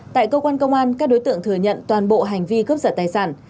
tại cơ quan công an các đối tượng thừa nhận toàn bộ hành vi cướp giật tài sản